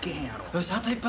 ・よしあと１分。